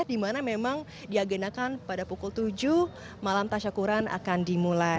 di mana memang diagenakan pada pukul tujuh malam tasyakuran akan dimulai